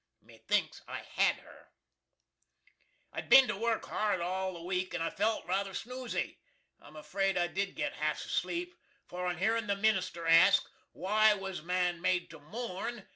Methinks I had her. I'd bin to work hard all the week, and I felt rather snoozy. I'm 'fraid I did git half asleep, for on hearin the minister ask, "Why was man made to mourn?"